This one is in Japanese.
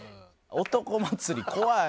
男祭り怖い。